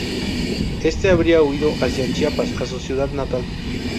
Éste habría huido hacia Chiapas a su ciudad natal.